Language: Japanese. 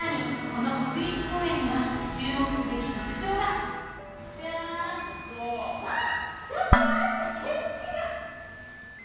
この国立公園には注目すべき特徴がうわうわっ